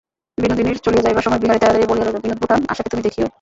বিনোদিনীর চলিয়া যাইবার সময় বিহারী তাড়াতাড়ি বলিয়া লইল, বিনোদ-বোঠান, আশাকে তুমি দেখিয়ো।